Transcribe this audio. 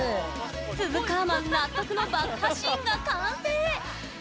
スズカーマン納得の爆破シーンが完成。